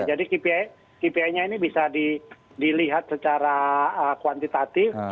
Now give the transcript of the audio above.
jadi kpi nya ini bisa dilihat secara kuantitatif